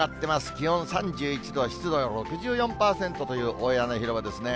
気温３１度、湿度は６４％という大屋根広場ですね。